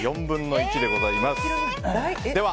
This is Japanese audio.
４分の１でございます。